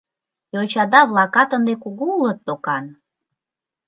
— Йочада-влакат ынде кугу улыт докан?